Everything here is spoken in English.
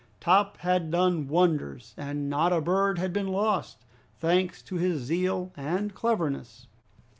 Top had done wonders, and not a bird had been lost, thanks to his zeal and cleverness.